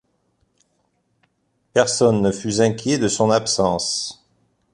Personne ne fut inquiet de son absence.